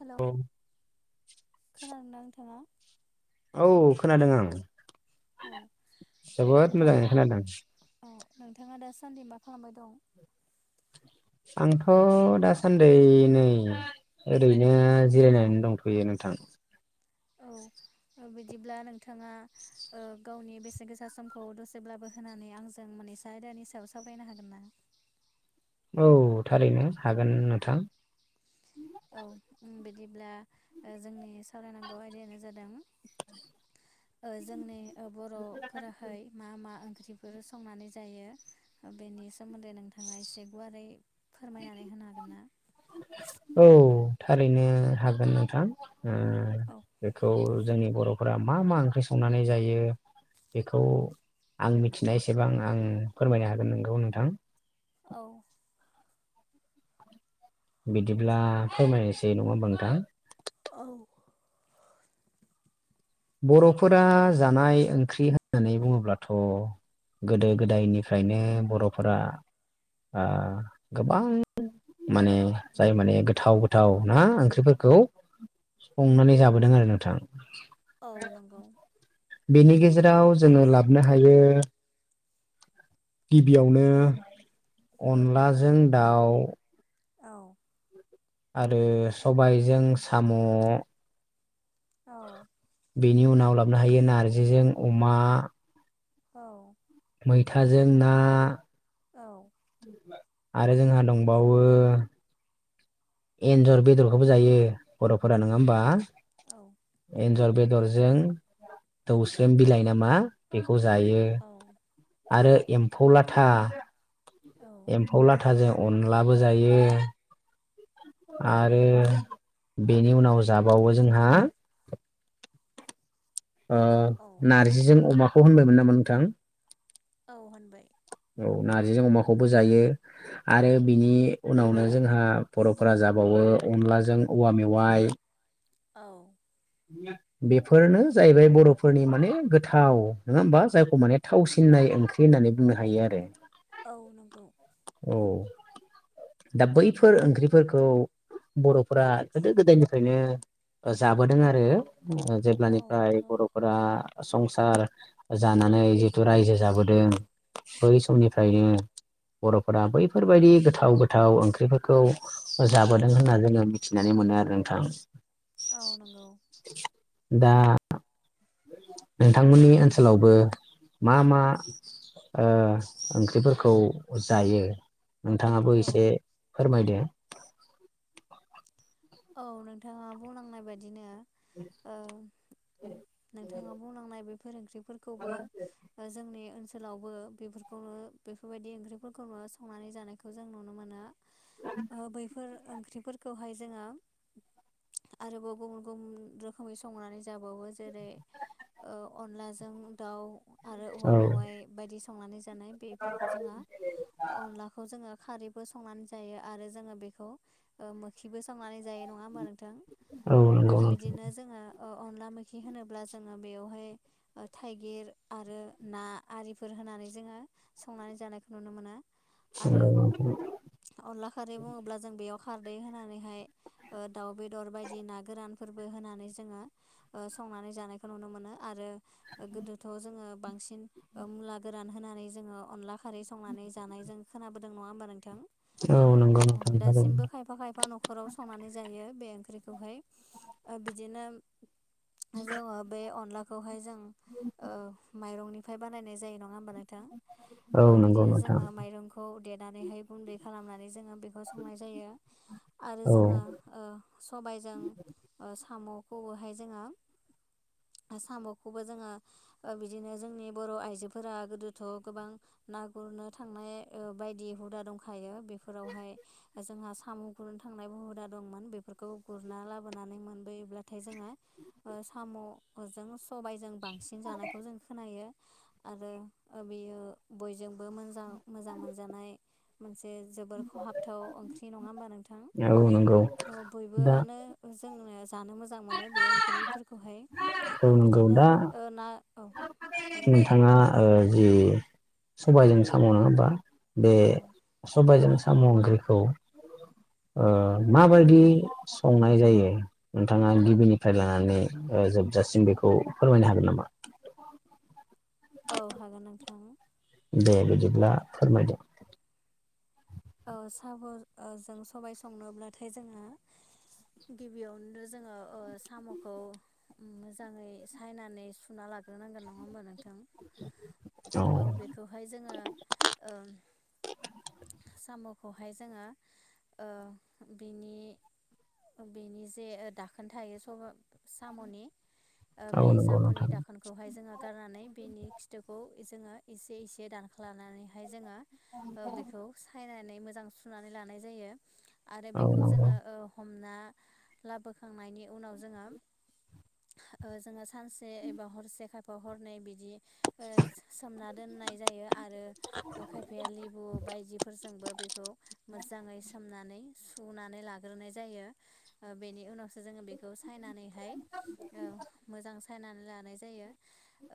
हेल' औ खोनादोंदा नोंथाङा? औ खोनादों ओं औ जोबोद नोंथाङा मोजाङै खोनादों। औ नोंथाङा दासान्दि मा खालामबाय दं? आंथ' दासान्दै नै ओरैनो जिरायनानै दंथ'यो नोंथां। औ ओ बिदिब्ला नोंथाङा ओ गावनि बेसे गोसा समखौ दसेब्लाबो होनानै आंजों मोनैसो आय नि सायाव सावरायनो हागोन ना? औ थारैनो हागोन नोंथां। औ बिदिब्ला ओ जोंनि सावरायनांगौ आयदायानो जादों ओ जोंनि बर'फोराहाय मा मा ओं ओंख्रिफोर संनानै जायो बेनि सोमोन्दै नोंथाङा एसे गुवारै फोरमायनानै होनो हागोन ना? औ थारैनो हागोन नोंथां ओ औ बेखौ जोंनि बर' फोरा मा मा ओंख्रि संनानै जायो? बेखौ आं मिथिनाय एसेबां आं फोरमायनो हागोन नोंगौ नोंथां। औ। बिदिब्ला फोरमायनोसै नङा होमबा नोंथां? औ। बर'फोरा जानाय ओंख्रि होननानै बुङोब्लाथ' गोदो गोदायनिफ्रायनो बर'फोरा ओ गोबां माने जाय माने गोथाव गोथाव ना ओंख्रिफोरखौ संनानै जाबोदों आरो नोंथां। औ नंगौ बेनि गेजेराव जोङो लाबोनो हायो। गिबियावनो अनलाजों दाउ। औ। आरो सबायजों साम'। औ। बेनि उनाव लाबोनो हायो नार्जिजों अमा। औ। मैथाजों ना। औ। आरो जोंहा दंबावो। एन्जर बेदरखौबो जायो बर'फोरा नङा होमबा औ एन्ज जर बेदर बेदरजों दौस्रेम बिलाइ नामा बेखौ जायो। औ आरो एम्फौ लाथा। औ एम्फौ लाथाजों अनलाबो जायो। आरो बेनि उनाव जाबावो जोंहा ओ औ नारजिजों अमाखौ होनबायमोन नामा नोंथां? औ होनबाय। औ नार्जिजों अमाखौबो जायो आरो बिनि उनावनो जोंहा बर'फोरा जाबावो ओ अनलाजों औवा मेवाइ। औ। बेफोरनो जाहैबाय बर'फोरनि माने गोथाव नङा होमबा जायखौ माने थावसिननाय ओंख्रि होननानै बुंनो हायो आरो। औ नंगौ। औ [unintelligible] दा बैफोर ओंख्रिफोरखौ बर'फोरा गोदो गोदायनिफ्रायनो जाबोदों आरो। औ जेब्लानिफ्राय नंगौ बर'फोरा। संसार जानानै जितु रायजो जाबोदों। बै समनिफ्रायनो बर'फोरा बैफोरबायदि गोथाव गोथाव ओंख्रिफोरखौ जाबोदों होनना जोङो मिथिनानै मोनो मोनो आरो नोंथां। औ नंगौ। दा नोंथांमोननि ओनसोलावबो मा मा ओ ओंख्रिफोरखौ जायो नोंथाङाबो औ एसे फोरमायदो। औ नोंथाङा बुंलांनाय बायदिनो। ओ नोंथाङा बुंलांनाय बेफोर ओंख्रि फोरखौबो जोंनि ओनसोल। लावबो बेफोरखौनो बेफोरबायदि ओंख्रिफोरखौनो संनानै जानायखौ जों नुनो मोनो। बैफोर ओंख्रिफोरखौहाय जोङो। आरोबाव गुबुन गुबुन रोखोमै संनानै जाबावो जेरै' ओ अनलाजों दाउ' आरो औ औवा मेवाइ बायदि संनानै जानाय बेफोरखौ जोङो अनलाखौ जोङो - खारैबो संनानै जायो आरो जोङो बेखौ ओ मोखिबो संनानै जायो नङा होमबा नोंथां। औ अ नंगौ नोंथां बिदिनो जोङो अ अनला मैखि होनोब्ला जोङो बेवहाय थाइगिर आरो ना आरिफोर होनानै जोङो संनानै जानायखौ नुनो मोनो। औ आरो नंगौ अनला खारै बुङोब्ला जों बेयाव खारदै होनानै हाय दाउ बेदर बायदि ना गोरानफोरबो होनानै जोङो ओ संनानै जानायखौ नुनो मोनो। आरो गोथ' जोङो बांसिन मुला गोरान होनानै जोङो अनला खारै संनानै जानायजों खोनाबोदों नङा होमबा नोंथां। औ नंगौ थांदों [inaudible] खौ संनानै जायो बे ओंख्रिखौहाय बिदिनो जोङो बे अनलाखौहाय जों ओ माइरंनिफ्राय बानायनाय जायो नङा। नङा होमबा औ नोंथां नंगौ बिदिनो नोंथां जोङो माइरंखौ देनानैह गुन्दै खालामनानै जोङो बेखौउ संनाय जायो। आरो औ जोङो ओ सबायजों ओ स साम'खौओहाय जोङो। आ साम'खौबो जोङो बिदिनो जोंनि बर' आइजोफोरा गोदोथ' गोबां ना गुरनो थांनाय ओ बायदि हुदा दंखायो बेफोरावहाय जोंहा साम' गुरनो थांनाय हुदा दंमोन बेफोरखौ गुरना लाबोनानै मोनबोयोब्लाथाय जोङो ओ साम' अ जों स सबाइ जों बांसिन जानायखौ जों खोनायो। आरो बेयो बय जोंबो मोजां मोजां मोनजानाय मोनसे जोबोर खहाबथाव ओंख्रि नङा होमबा। नों नंगौ नंगौ दा। जों जानो मोजां मोनो बे ओंख्रिफोरखौ हाय औ नंगौ बिदिनो दा ना औ [inaudible] बुंजागोन नोंथाङा जि सबायजों साम' नोबा बे औ सबायजों साम'जोंखौ ओ औ माबायदि सं नाय जायो नोंथाङा गिबिनिफ्राय लानानै जोबजासिम बेखौ फोरमायनो हागोन नामा? [inaudible] औ हागोन नोंथां दे बिदिब्ला फोरमायदो ओ साम' जों सबाय संनोब्लाथाय जोंनो गिबियावनोनो जोङो ओ साम'खौ मोजाङै सायनानै सुना ला ग्रो नांगोन नङा होमबा नोंथां? औ बेखौहाय जोङो ओ सम'खौहाय जोङो ओ बिनि बेनि जे दाखोन थायो स-साम'नि ओ औ बे नंगौ साम'नि नोंथां दाखोनखौहाय जोङो गारनानै बेनि खिथुखौ जोङो एसे एसे दानख्लानानैहाय जोङो [inaudible] औ सायनानै मोजां सुनानैलानाय जायो आरो औ बेखौ नंगौ जोङो ओ हम ना लाबोखांनायनि उनाव जोङो ओ जोङो सानसे एबा हरसे खायफा हरनै बिद बिदि ओ सोमना दोननाय जायो आरो खायफाया लेबु बायदिफोरजोंबो बेखौ मोजाङै सोमनानै सुनानै लाग्रोनाय जायो ओ बेनि उनाव सो जोङो बेखौ सायनानैहाय ओ मोजां सनानै लानाय जायो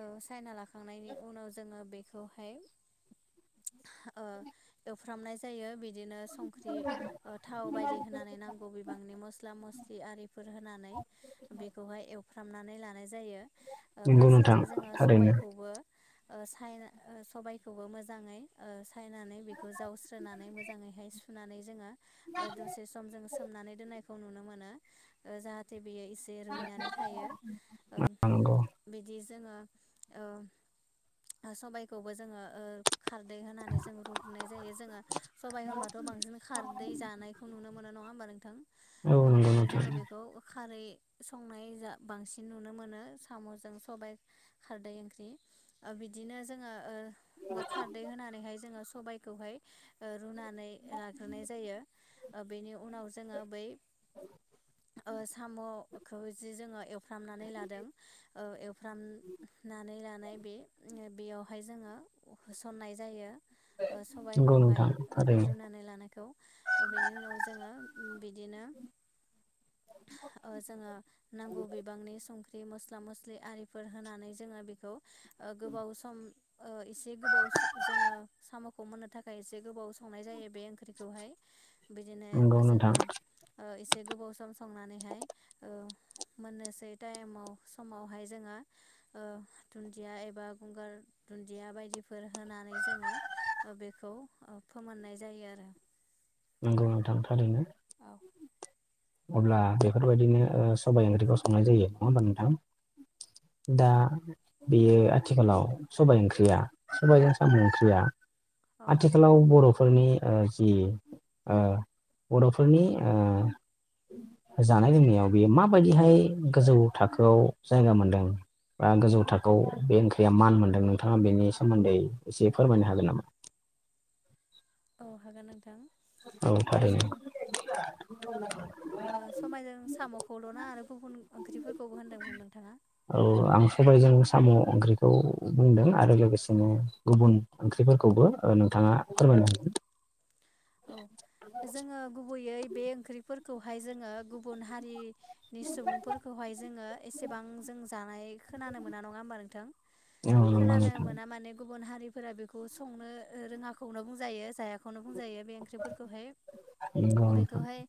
ओ सायनालाखांनायनि उनाव जोङो बेखौ हाय एवफ्रामनाय जायो बिद बिदिनो संख्रि थाव बायदि होनानै नांगौ बिबांनि मस्ला मस्लि आरिफोर होनानै बेखौहाय एवफ्रनानै नै लानाय जायो आरो नंगौ नोंथां फारसेथिं जोङो थारैनो सबाइखौबो ओ सायना सबायाइखौबो मोजाङै सायनानै जावस्रोननानै मोजांङैहाय सुनानै जोङो ओह दसे सम सोमनानै दोननाय खौ नुनो मोनो जाहाथे बेयो एसे रुइनानै थायो नंगौ बिदि जोंओ ओ हा सबायखौबो जोङो ओ खारै होनानै जोंङो नुनाय जायो जोङो सबाइ होनबाथ' बांसिन खारदै जानायखौ नुनो मोनो नङा होमबा नोंथां? औ नंगौ बेनिखायनो नोंथां जोङो बेखौ खारै संनाय बांसिन नुनो मोनो साम'जों सबाय खारदै ओंख्रि बिदिनो जोङो ओह‌ खारदै होनानैहाय जोङो सबायखौहाय ओ रुनानै लाग्रोनाय जायो बेनि उनाव जोङो बै ओह साम'खौ जि जोङो एवफ्रामनानै लादों ओ एवफ्रामनानै लानाय बे बेयावहाय जोङो होसननाय जायो। नंगौ सबायखौहाय नोंथां बे थारैनो रुनानै लानायखौ बेनि उनाव जोङो बिदिनो जोङो नांगौ बिबांनि सं ख्रि मस्ला मस्लि आरिफोर होनानै जोङो बेखौ गोबाव सम एसे गोबाव जोङो साम'खौ मोननो थाखाय एसे गोबाव संनाय जायो बे ओंख्रिखौहाय बिदिनो नंगौ नोंथां जोङो ओह इसे एसे गोबाव सम संनानैहाय मोननोसै टाइमाव समावहाय जोङो ओ दुन्दिया एबा गंगार दुन्दिया बायदिफोर होनानै जोङो बेखौ ओ फोमोननाय जायो आरो। नंगौ नोंथां थारैनो औ अब्ला बेफोरबायदिनो सबाय ओंख्रिखौ संनाय जायो नङा होमबा नोंथां? दा बेयो आथिखालाव सबाइ ओंख्रिया सबाइजों साम' ओंख्रिया आथिखालाव बर' फोरनि ओह जि ओह बर'फोरनि ओह जानाय लोंनायाव बियो माबायदिहाय गोजौ थाखोआव जायगा मोनदों? बा गोजौ थाखोआव बे ओंख्रिया मान मोन्दों नोंथाङा बेनि सोमोन्दै एसे फोरमायनो हागोन नामा? [inaudible] औ हागोन नों। औ थारैनो [unintelligible] [inaudible] सबायजों साम'खौल'ना आरो गुबुन ओंख्रिफोरखौबो होनदों बुं नोंथाङा औ आं सबाइजों साम' ओंख्रिखौ बुंदों आरो लोगोसेनो गुबुन ओंख्रिफोरखौबो ओ नोंथाङा औ फोरमायनो औ जोङो गुबैयै बे ओंख्रिफोरखौहाय जोङो गुबुन हारि नि सुबुंफोरखौहाय जोङो एसेबां जों जानाय खोनानो मोना नङा होमबा नोंथां औ नंगौ खोनानो नोंथां। मोना माने गुबुन हारि फोर बेखौ संनो रोङाखौनो बुंजायो जायाखौनो बुंजायो। ओंख्रि फोरखौहाय नंगौ नोंथां बेखौहाय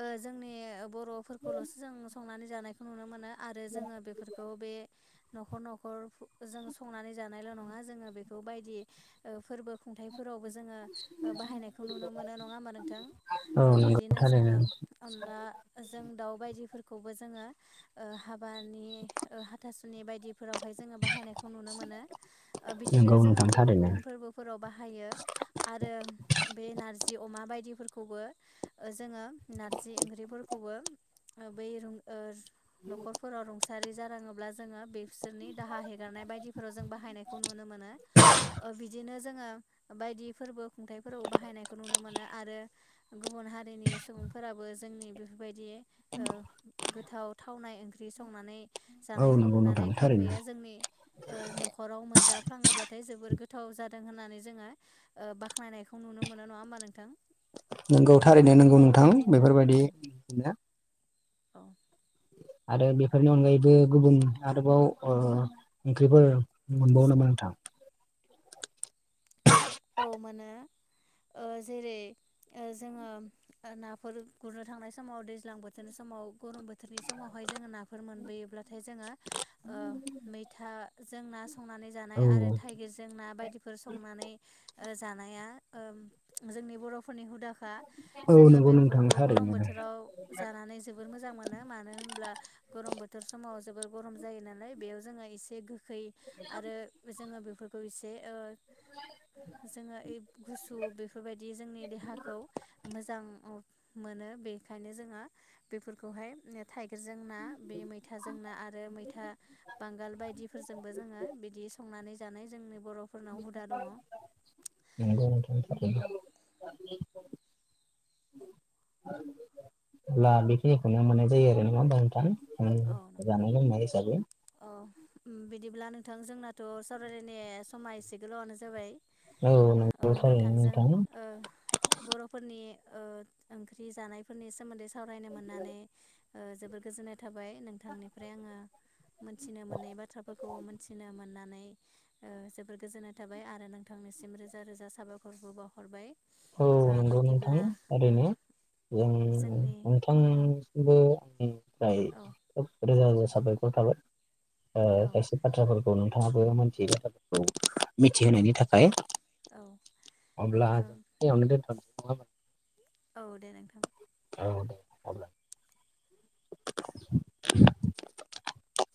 ओह जोंनि बर'फोरखौल'सो जों संनानै जानायखौ नुनो मोनो आरो जोङो बेफोरखौ बे न'खर न'खर जों संनानै जानायल' नङा जोङो बेखौ बायदि ओह फोरबो खुंथाइफोरावबो जोङो बाहायनाय नुनो मोनो नङा होमबा ओ नोंथां औ नंगौ बिदिनो जोङो थारैनो अनला जों दाउ बाय फोरखौबो जोङो ओ हा बानि ओ हाथासुनि बायदिफोरावहाय जोङो बाहायनायखौ नुनो मोनो ओ बिदिनो नंगौ जोङो नोंथां गुबुन थारैनो गुबुन फोरबोफोराव बाहायो आरो बे नारजि अमा बायदिफोरखौबो ओ जोङो नारजि ओंख्रिफोरखौबो बै रुं ओ नखरफोराव रुंसारि जाराङोब्ला जोङो बे फिसोरनि दाहा हेगारनाय बायदिफोराव जों बाहायनायखौ नुनो मोनो ओ बिदिनो जोङो बायदि फोरबो खुंथाइ फोराव बाहायनायखौ नुनो मोनो आरो गुबुन हारिनि सुबुंफोराबो जोंनि बे बायदि ओ गोथाव थावनाय ओंख्रि संनानै औ जानायखौ नंगौ नोंथां नुनानै थारैनो खायफाया जोंनि ओ नखराव मोनजाफ्लाङोब्ला थाय जोबोर गोथाव जादों होननानै जोङो ओ बाख्नायनायखौ नुनो मोनो नङा होमबा नोंथां? नोंगौ थारैनो नोंगौ औ नोंथां बिदिनो औ बेफोरबायदिनो औ आरो बेफोरनि अनगायैबो गुबुन आरोबाव ओ ओंख्रिफोर मोनबावो नामा नोंथां? [inaudible] औ मोनो। ओ जेरै ओ जोङो ओ नाफोर गुरनो थांनाय समाव दैज्लां बोथोर सम माव गरम बोथोरनि समावहाय जोङो ना फोर मोनबोयोब्लाथाय जोङो ओ मैथा जों ना संनानै जानाय औ आरो थाइगि जों ना बायदिफोर संनानै ओ जानाया ओम जोंनि बरफोरनि हुदाखा औ जोङो नंगौ नोंथां बेफोरखौ गरम थारैनो बोथोराव जानानै जोबोर मोजां मोनो मानो होनब्ला गरम बोथोर समाव जोबोर गरम जायो नालाय बेयाव जोङो एसे गोखै आरो जोङो बे फोरखौ एसे ओ जोङो ओइ गुसु बेफोरबायदि जोंनि देहाखौ मोजां मोनो बेखायनो जोङो बेफोरखौहाय थाइगिरजों ना बे मैथाजों ना आरो मैथा बांगाल बायदिफोरजोंबो जोङो बिदि संनानै जानाय जोंनि बरफोरनाव हुदा दङ। नंगौ नोंथां [unintelligible] आरो अब्ला बेखिनिखौनो मोननाय जायो आरो नङा होमबा नोथां औ जानाय लोंनाय हिसाबै उम बिदिब्ला नोंथां जोंनाथ सावरायलायनाय समा एसे गोलावनो जाबाय औ अ नंगौ थारैनो नोंथांजों नोंथां ओ बर'फोरनि ओ ओंख्रि जानायफोरनि सोमोन्दै सावरायनो मोननानै ओ जोबोर गोजोननाय थाबाय नोंथांनिफ्राय आङो मोनथिनो मोनै बाथ्राफोरखौ मोनथिनो मोननानै ओ जोबोर गोजोननाय थाबाय आरो नोंथांनिसिम रोजा रोजा साबायखरबो बावहरबाय। औ ओ नंगौ नोंथां बिदिब्ला ओ ओरैनो जों जोंनि औ नोंथांसिमबो आं निफ्राय औ खोब रोजा रोजा साबायखर थाबाय ओ औ खायसे बाथ्राफोर खौ नोंथाङाबो मोनथियै बाथ्राफोरखौ औ मिथिहोनायनि थाखाय औ अब्ला औ जों दोनथ'नसै नङा होमबा? औ दे नोंथां। औ दे अब्ला। [inaudible]